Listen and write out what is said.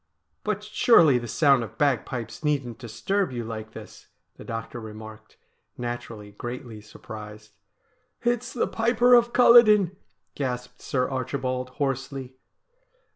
' But surely the sound of bagpipes needn't disturb you like this,' the doctor remarked, naturally greatly surprised. ' It's the Piper of Culloden !' gasped Sir Archibald hoarsely.